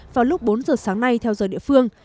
vào lúc bốn giờ sáng nay theo giờ địa phương